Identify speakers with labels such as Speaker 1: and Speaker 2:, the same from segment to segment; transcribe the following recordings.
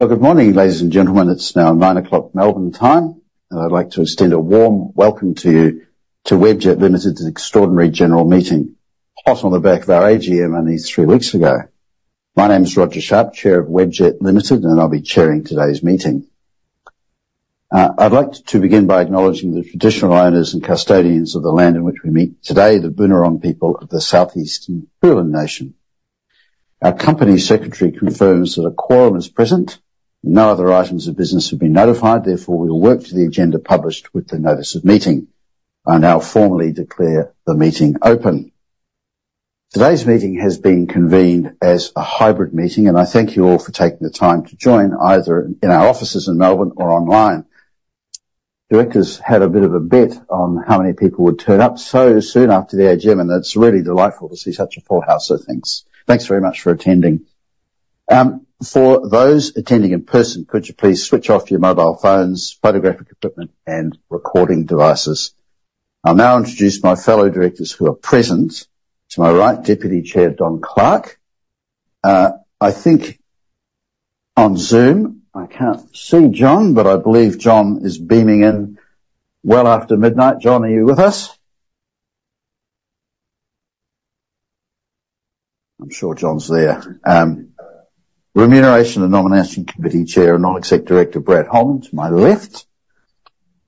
Speaker 1: Good morning, ladies and gentlemen. It's now 9:00 A.M. Melbourne time, and I'd like to extend a warm welcome to you to Webjet Limited's Extraordinary General Meeting, hot on the back of our AGM only three weeks ago. My name is Roger Sharp, Chair of Webjet Limited, and I'll be chairing today's meeting. I'd like to begin by acknowledging the traditional owners and custodians of the land in which we meet today, the Boonwurrung people of the Southeast Kulin Nation. Our company secretary confirms that a quorum is present. No other items of business have been notified. Therefore, we will work to the agenda published with the notice of meeting. I now formally declare the meeting open. Today's meeting has been convened as a hybrid meeting, and I thank you all for taking the time to join, either in our offices in Melbourne or online. Directors had a bit of a bet on how many people would turn up so soon after the AGM, and it's really delightful to see such a full house, so thanks. Thanks very much for attending. For those attending in person, could you please switch off your mobile phones, photographic equipment, and recording devices? I'll now introduce my fellow directors who are present. To my right, Deputy Chair Don Clarke. I think on Zoom, I can't see John, but I believe John is beaming in well after midnight. John, are you with us? I'm sure John's there. Remuneration and Nomination Committee Chair, Non-Executive Director Brad Holman, to my left.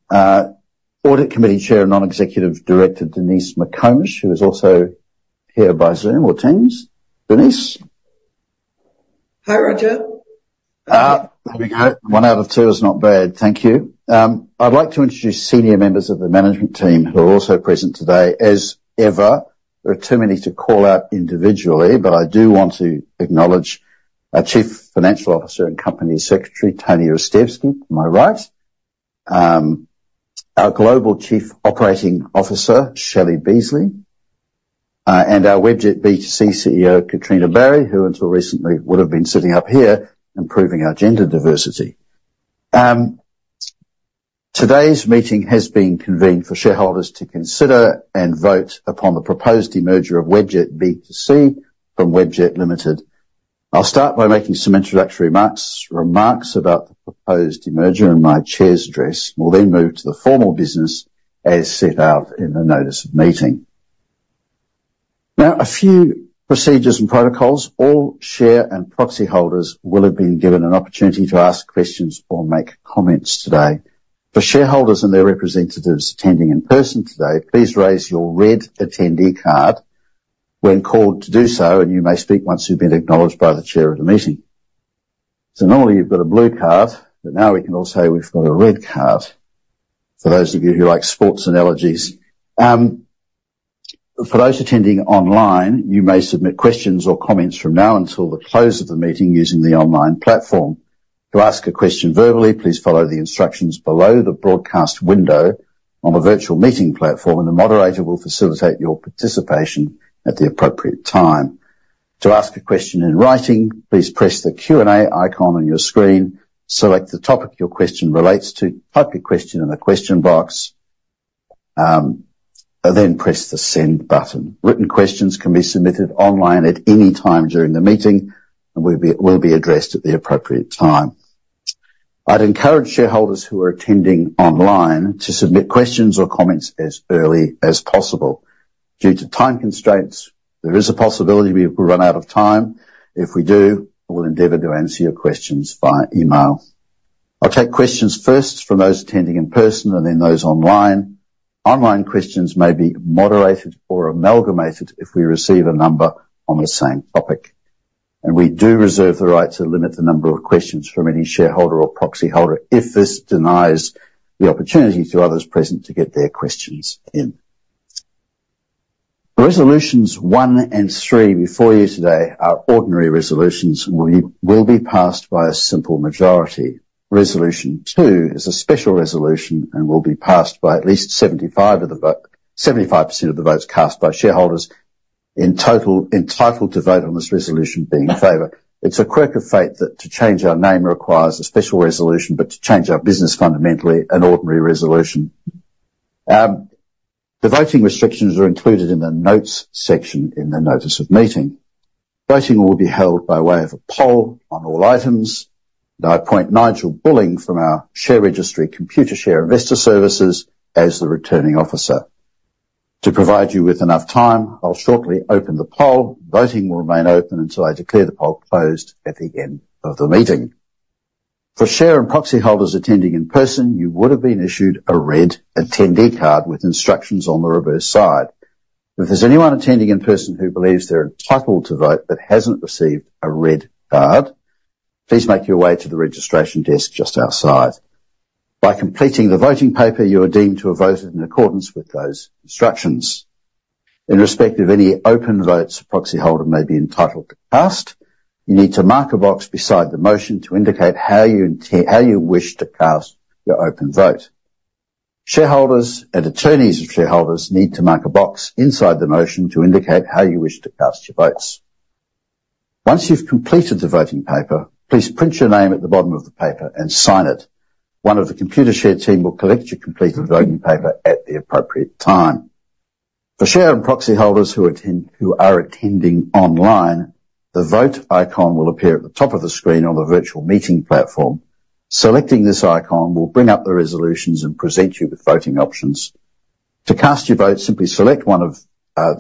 Speaker 1: Audit Committee Chair and Non-Executive Director Denise McComish, who is also here by Zoom or Teams. Denise?
Speaker 2: Hi, Roger. There we go. One out of two is not bad. Thank you. I'd like to introduce senior members of the management team who are also present today. As ever, there are too many to call out individually, but I do want to acknowledge our Chief Financial Officer and Company Secretary, Tony Ristevski, to my right, our Global Chief Operating Officer, Shelley Beasley, and our Webjet B2C CEO, Katrina Barry, who until recently would have been sitting up here, improving our gender diversity. Today's meeting has been convened for shareholders to consider and vote upon the proposed demerger of Webjet B2C from Webjet Limited. I'll start by making some introductory remarks about the proposed demerger in my chair's address. We'll then move to the formal business as set out in the notice of meeting. Now, a few procedures and protocols. All share and proxy holders will have been given an opportunity to ask questions or make comments today. For shareholders and their representatives attending in person today, please raise your red attendee card when called to do so, and you may speak once you've been acknowledged by the chair of the meeting, so normally, you've got a blue card, but now we can all say we've got a red card, for those of you who like sports analogies. For those attending online, you may submit questions or comments from now until the close of the meeting using the online platform. To ask a question verbally, please follow the instructions below the broadcast window on the virtual meeting platform, and the moderator will facilitate your participation at the appropriate time. To ask a question in writing, please press the Q&A icon on your screen, select the topic your question relates to, type your question in the question box, and then press the Send button. Written questions can be submitted online at any time during the meeting, and will be addressed at the appropriate time. I'd encourage shareholders who are attending online to submit questions or comments as early as possible. Due to time constraints, there is a possibility we will run out of time. If we do, we'll endeavor to answer your questions via email. I'll take questions first from those attending in person and then those online. Online questions may be moderated or amalgamated if we receive a number on the same topic, and we do reserve the right to limit the number of questions from any shareholder or proxy holder if this denies the opportunity to others present to get their questions in. The resolutions one and three before you today are ordinary resolutions and will be passed by a simple majority. Resolution two is a special resolution and will be passed by at least 75% of the votes cast by shareholders in total entitled to vote on this resolution being in favor. It's a quirk of fate that to change our name requires a special resolution, but to change our business, fundamentally, an ordinary resolution. The voting restrictions are included in the Notes section in the notice of meeting. Voting will be held by way of a poll on all items, and I appoint Nigel Bulling from our share registry, Computershare Investor Services, as the Returning Officer. To provide you with enough time, I'll shortly open the poll. Voting will remain open until I declare the poll closed at the end of the meeting. For share and proxy holders attending in person, you would have been issued a red attendee card with instructions on the reverse side. If there's anyone attending in person who believes they're entitled to vote but hasn't received a red card, please make your way to the registration desk just outside. By completing the voting paper, you are deemed to have voted in accordance with those instructions. In respect of any open votes a proxy holder may be entitled to cast, you need to mark a box beside the motion to indicate how you wish to cast your open vote. Shareholders and attorneys of shareholders need to mark a box inside the motion to indicate how you wish to cast your votes. Once you've completed the voting paper, please print your name at the bottom of the paper and sign it. One of the Computershare team will collect your completed voting paper at the appropriate time. For share and proxy holders who attend—who are attending online, the Vote icon will appear at the top of the screen on the virtual meeting platform. Selecting this icon will bring up the resolutions and present you with voting options. To cast your vote, simply select one of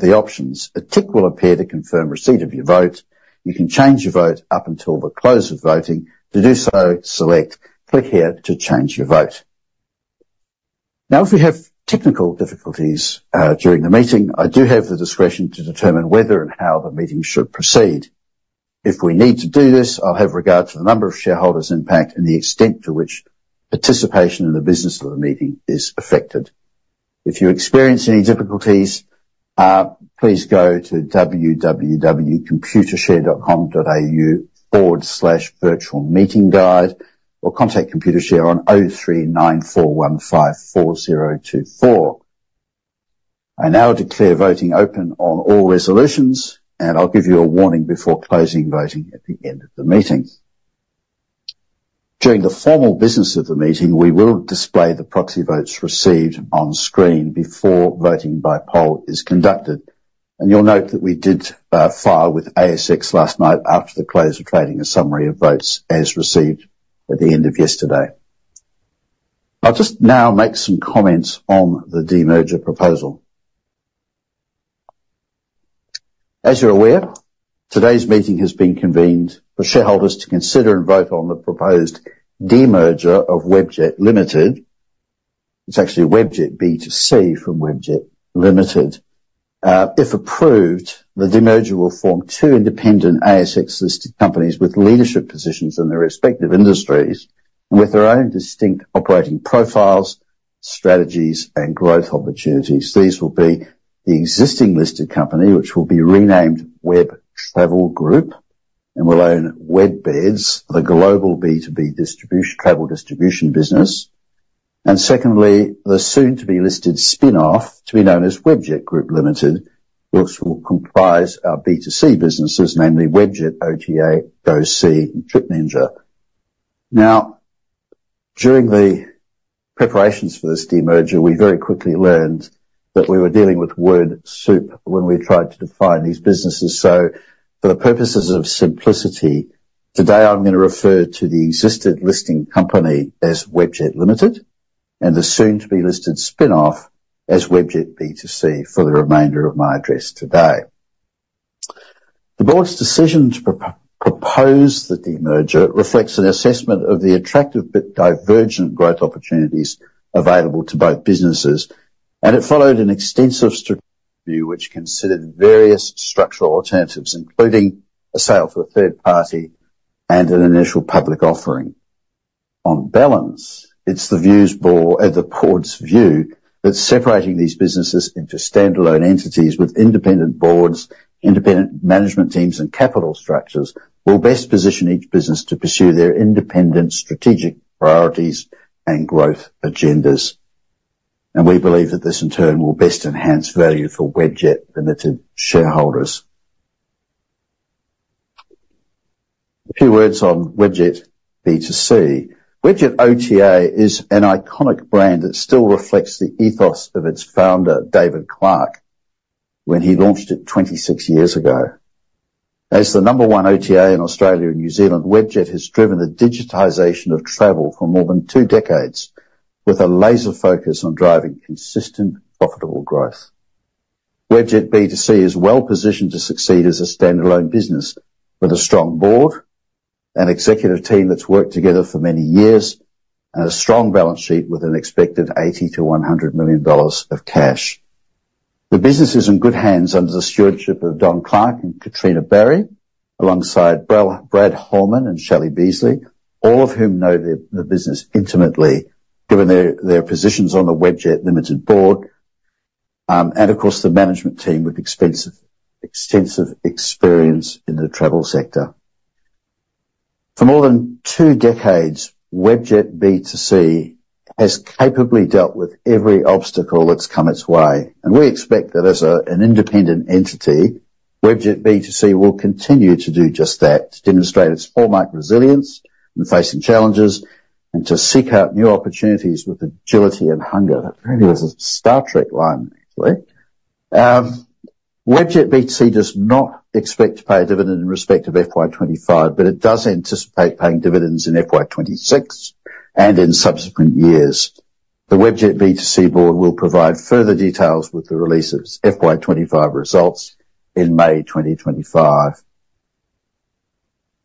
Speaker 2: the options. A tick will appear to confirm receipt of your vote. You can change your vote up until the close of voting. To do so, select Click here to change your vote. Now, if we have technical difficulties during the meeting, I do have the discretion to determine whether and how the meeting should proceed. If we need to do this, I'll have regard to the number of shareholders impacted and the extent to which participation in the business of the meeting is affected. If you experience any difficulties, please go to www.computershare.com.au/virtualmeetingguide, or contact Computershare on 03 9415 4024. I now declare voting open on all resolutions, and I'll give you a warning before closing voting at the end of the meeting. During the formal business of the meeting, we will display the proxy votes received on screen before voting by poll is conducted, and you'll note that we did file with ASX last night after the close of trading, a summary of votes as received at the end of yesterday. I'll just now make some comments on the demerger proposal. As you're aware, today's meeting has been convened for shareholders to consider and vote on the proposed demerger of Webjet Limited. It's actually Webjet B2C from Webjet Limited. If approved, the demerger will form two independent ASX-listed companies with leadership positions in their respective industries, and with their own distinct operating profiles, strategies, and growth opportunities. These will be the existing listed company, which will be renamed Web Travel Group, and will own WebBeds, the global B2B travel distribution business. And secondly, the soon-to-be-listed spinoff, to be known as Webjet Group Limited, which will comprise our B2C businesses, namely, Webjet OTA, GoSee, and Trip Ninja. Now, during the preparations for this demerger, we very quickly learned that we were dealing with word soup when we tried to define these businesses. So for the purposes of simplicity, today I'm going to refer to the existing listing company as Webjet Limited, and the soon-to-be-listed spinoff as Webjet B2C for the remainder of my address today. The board's decision to propose the demerger reflects an assessment of the attractive but divergent growth opportunities available to both businesses, and it followed an extensive strategic review, which considered various structural alternatives, including a sale to a third party and an initial public offering. On balance, it's the board's view that separating these businesses into standalone entities with independent boards, independent management teams, and capital structures, will best position each business to pursue their independent strategic priorities and growth agendas. And we believe that this, in turn, will best enhance value for Webjet Limited shareholders. A few words on Webjet B2C. Webjet OTA is an iconic brand that still reflects the ethos of its founder, David Clarke, when he launched it 26 years ago. As the number one OTA in Australia and New Zealand, Webjet has driven the digitization of travel for more than two decades, with a laser focus on driving consistent, profitable growth. Webjet B2C is well positioned to succeed as a standalone business with a strong board, an executive team that's worked together for many years, and a strong balance sheet with an expected 80 million-100 million dollars of cash. The business is in good hands under the stewardship of Don Clarke and Katrina Barry, alongside Brad Holman and Shelley Beasley, all of whom know the business intimately, given their positions on the Webjet Limited board, and of course, the management team with extensive experience in the travel sector. For more than two decades, Webjet B2C has capably dealt with every obstacle that's come its way, and we expect that as an independent entity, Webjet B2C will continue to do just that: to demonstrate its hallmark resilience when facing challenges, and to seek out new opportunities with agility and hunger. That really was a Star Trek line, actually. Webjet B2C does not expect to pay a dividend in respect of FY 2025, but it does anticipate paying dividends in FY 2026 and in subsequent years. The Webjet B2C board will provide further details with the release of its FY 2025 results in May 2025.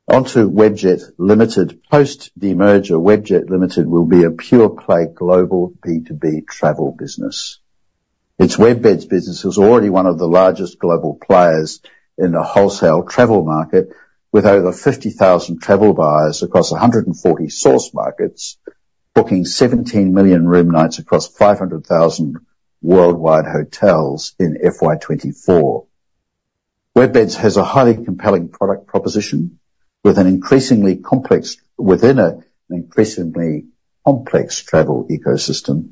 Speaker 2: Onto Webjet Limited. Post demerger, Webjet Limited will be a pure-play global B2B travel business. Its WebBeds business is already one of the largest global players in the wholesale travel market, with over 50,000 travel buyers across 140 source markets, booking 17 million room nights across 500,000 worldwide hotels in FY 2024. WebBeds has a highly compelling product proposition, with an increasingly complex travel ecosystem,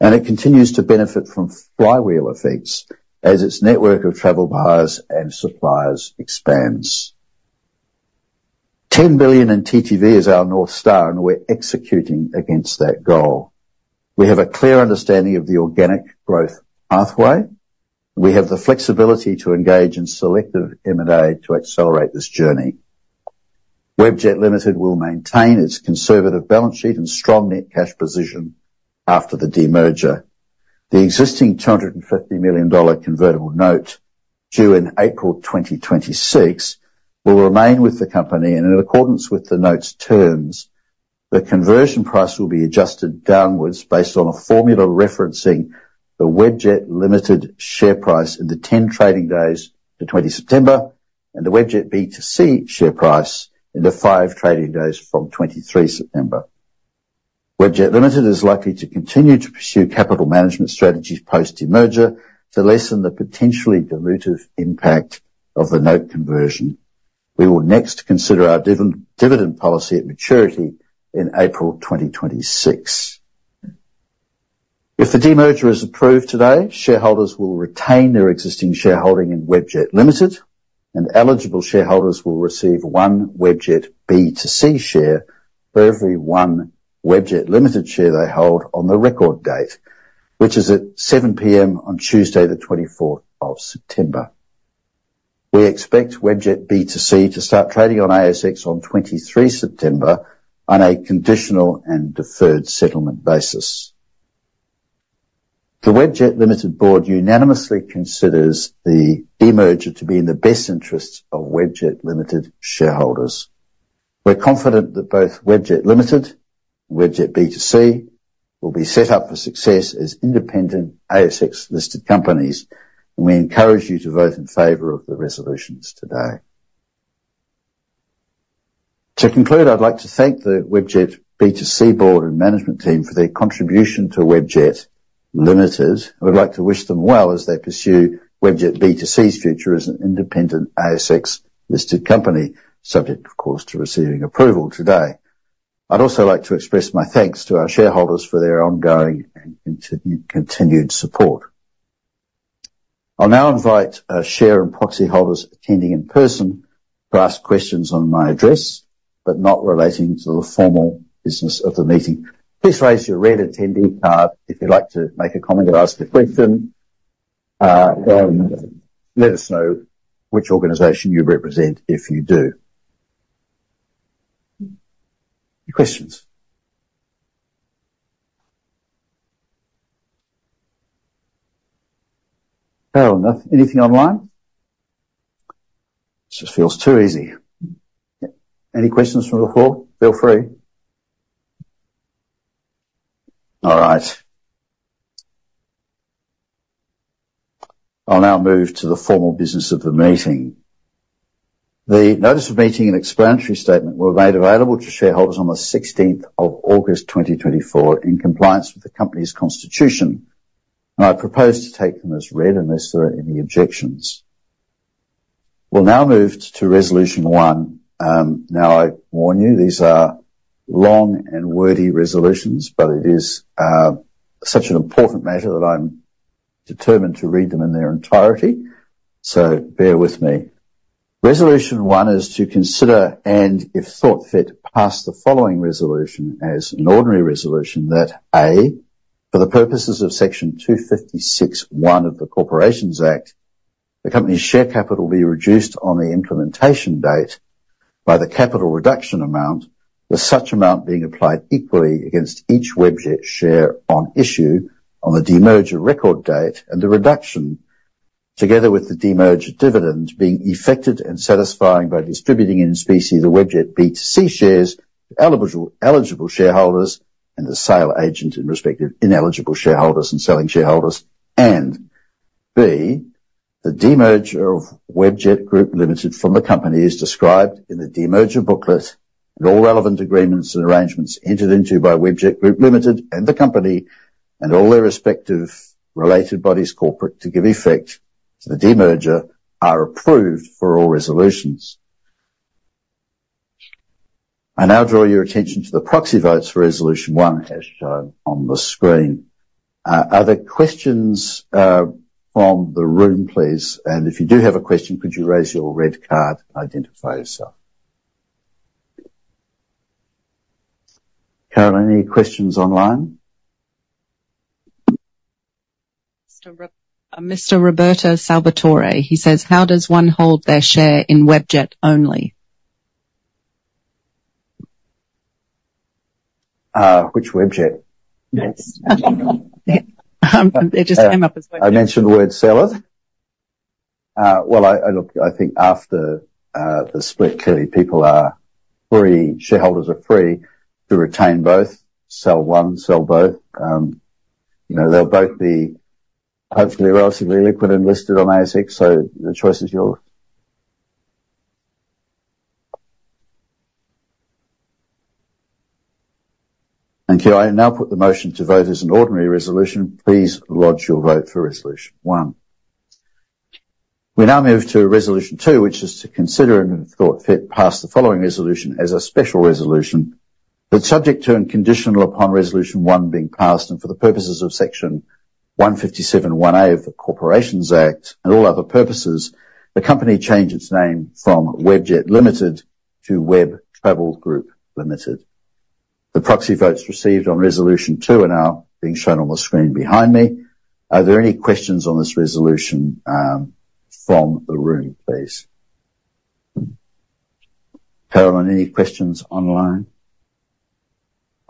Speaker 2: and it continues to benefit from flywheel effects as its network of travel buyers and suppliers expands. Ten billion in TTV is our North Star, and we're executing against that goal. We have a clear understanding of the organic growth pathway. We have the flexibility to engage in selective M&A to accelerate this journey. Webjet Limited will maintain its conservative balance sheet and strong net cash position after the demerger. The existing 250 million dollar convertible note, due in April 2026, will remain with the company, and in accordance with the note's terms, the conversion price will be adjusted downwards based on a formula referencing the Webjet Limited share price in the 10 trading days to 20 September, and the Webjet B2C share price in the five trading days from 23 September. Webjet Limited is likely to continue to pursue capital management strategies post demerger, to lessen the potentially dilutive impact of the note conversion. We will next consider our dividend policy at maturity in April 2026. If the demerger is approved today, shareholders will retain their existing shareholding in Webjet Limited, and eligible shareholders will receive one Webjet B2C share for every one Webjet Limited share they hold on the record date, which is at 7 P.M. on Tuesday, the 24th of September. We expect Webjet B2C to start trading on ASX on 23 September on a conditional and deferred settlement basis. The Webjet Limited board unanimously considers the demerger to be in the best interests of Webjet Limited shareholders. We're confident that both Webjet Limited and Webjet B2C will be set up for success as independent ASX-listed companies, and we encourage you to vote in favor of the resolutions today. To conclude, I'd like to thank the Webjet B2C board and management team for their contribution to Webjet Limited. I would like to wish them well as they pursue Webjet B2C's future as an independent ASX-listed company, subject, of course, to receiving approval today. I'd also like to express my thanks to our shareholders for their ongoing and continued support. I'll now invite share and proxy holders attending in person to ask questions on my address, but not relating to the formal business of the meeting. Please raise your red attendee card if you'd like to make a comment or ask a question, and let us know which organization you represent if you do. Any questions? Carol, nothing, anything online? This just feels too easy. Any questions from the floor? Feel free. All right. I'll now move to the formal business of the meeting. The notice of meeting and explanatory statement were made available to shareholders on the 16th of August 2024, in compliance with the company's constitution. Now, I propose to take them as read, unless there are any objections. We'll now move to resolution one. Now, I warn you, these are long and wordy resolutions, but it is such an important measure that I'm determined to read them in their entirety. So bear with me. Resolution one is to consider, and, if thought fit, pass the following resolution as an ordinary resolution, that, A, for the purposes of Section 256(1) of the Corporations Act, the company's share capital be reduced on the implementation date by the capital reduction amount, with such amount being applied equally against each Webjet share on issue on the demerger record date. And the reduction, together with the demerger dividend, being effected and satisfying by distributing in specie the Webjet B2C shares to eligible shareholders and the sale agent and respective ineligible shareholders and selling shareholders. And, B, the demerger of Webjet Group Limited from the company is described in the demerger booklet, and all relevant agreements and arrangements entered into by Webjet Group Limited and the company, and all their respective related bodies corporate to give effect to the demerger, are approved for all resolutions. I now draw your attention to the proxy votes for resolution one, as shown on the screen. Are there questions from the room, please? And if you do have a question, could you raise your red card to identify yourself. Carol, any questions online?
Speaker 3: Mr. Roberto Salvatore, he says, "How does one hold their share in Webjet only?"
Speaker 2: Which Webjet? It just came up as I mentioned the word seller. Look, I think after the split, clearly, people are free, shareholders are free to retain both, sell one, sell both. You know, they'll both be hopefully relatively liquid and listed on ASX, so the choice is yours. Thank you. I now put the motion to vote as an ordinary resolution. Please lodge your vote for resolution one. We now move to resolution two, which is to consider, and if thought fit, pass the following resolution as a special resolution. But subject to and conditional upon Resolution one being passed, and for the purposes of Section 157 1A of the Corporations Act and all other purposes, the company changed its name from Webjet Limited to Web Travel Group Limited. The proxy votes received on Resolution two are now being shown on the screen behind me. Are there any questions on this resolution, from the room, please? Carolyn, any questions online?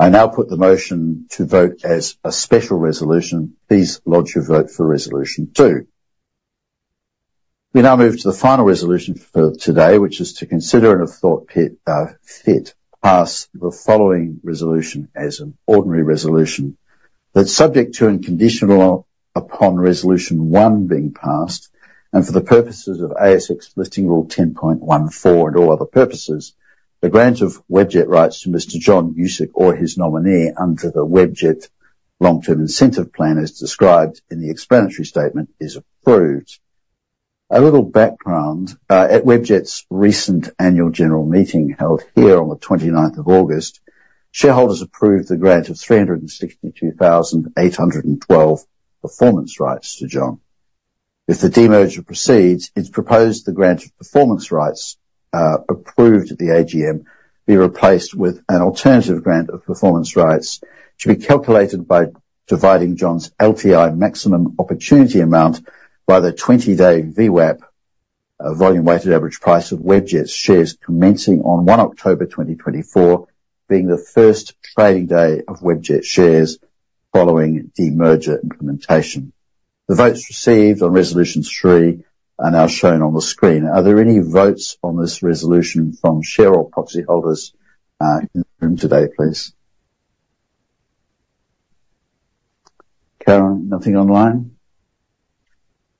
Speaker 2: I now put the motion to vote as a special resolution. Please lodge your vote for Resolution two. We now move to the final resolution for today, which is to consider, pass the following resolution as an ordinary resolution. That subject to and conditional upon Resolution one being passed, and for the purposes of ASX Listing Rule 10.14 and all other purposes, the grant of Webjet rights to Mr. John Guscic or his nominee under the Webjet Long Term Incentive Plan, as described in the explanatory statement, is approved. A little background. At Webjet's recent annual general meeting, held here on the 29th of August, shareholders approved the grant of 362,812 performance rights to John. If the demerger proceeds, it's proposed the grant of performance rights, approved at the AGM, be replaced with an alternative grant of performance rights, to be calculated by dividing John's LTI maximum opportunity amount by the 20 day VWAP, Volume Weighted Average Price, of Webjet's shares, commencing on 1 October 2024, being the first trading day of Webjet shares following demerger implementation. The votes received on Resolution three are now shown on the screen. Are there any votes on this resolution from share or proxy holders in the room today, please? Carolyn, nothing online?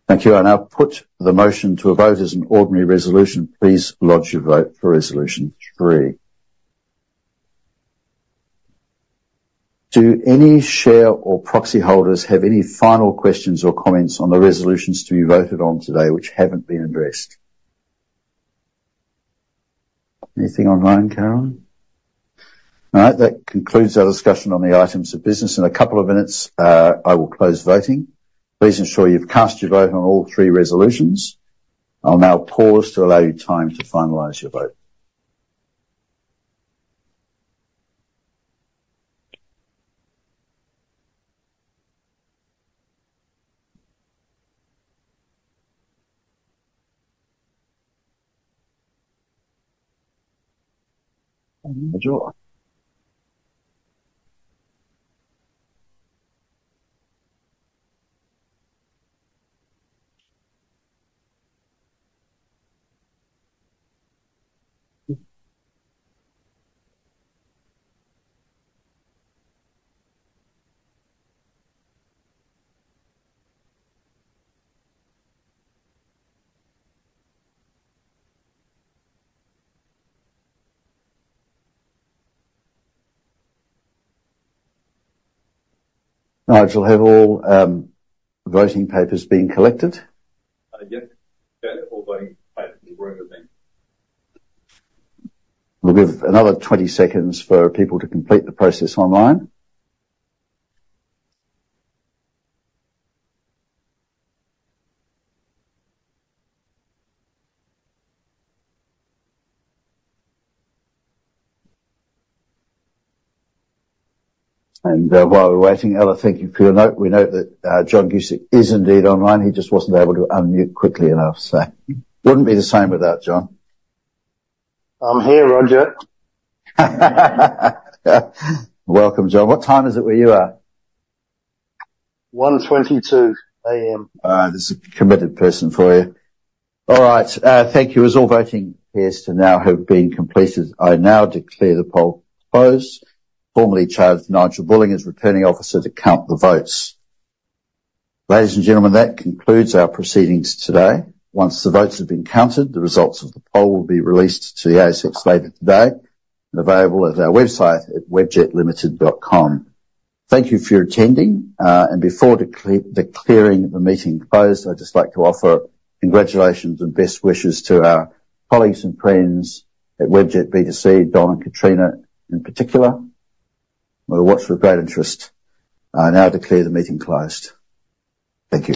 Speaker 2: Thank you. I now put the motion to a vote as an ordinary resolution. Please lodge your vote for Resolution three. Do any share or proxy holders have any final questions or comments on the resolutions to be voted on today, which haven't been addressed? Anything online, Carolyn? All right. That concludes our discussion on the items of business. In a couple of minutes, I will close voting. Please ensure you've cast your vote on all three resolutions. I'll now pause to allow you time to finalize your vote. Nigel, have all voting papers been collected?
Speaker 4: Yes. Yeah, all voting papers in the room have been.
Speaker 2: We'll give another 20 seconds for people to complete the process online. And, while we're waiting, Ella, thank you for your note. We note that, John Guscic is indeed online. He just wasn't able to unmute quickly enough, so wouldn't be the same without John.
Speaker 5: I'm here, Roger.
Speaker 2: Welcome, John. What time is it where you are?
Speaker 5: 1:22 A.M.
Speaker 2: There's a committed person for you. All right, thank you. As all voting appears to now have been completed, I now declare the poll closed. Formally charge Nigel Bulling as Returning Officer to count the votes. Ladies and gentlemen, that concludes our proceedings today. Once the votes have been counted, the results of the poll will be released to the ASX later today and available at our website at webjetlimited.com. Thank you for your attending, and before declaring the meeting closed, I'd just like to offer congratulations and best wishes to our colleagues and friends at Webjet B2C, Don and Katrina, in particular. We'll watch with great interest. I now declare the meeting closed. Thank you.